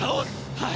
はい！